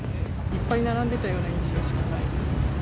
いっぱい並んでいたような印象ですね。